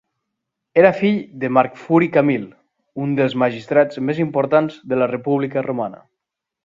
Era fill de Marc Furi Camil, un dels magistrats més importants de la República romana.